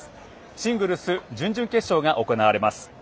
シングルス準々決勝が行われます。